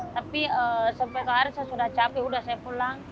tapi sampai hari ini saya sudah capek sudah pulang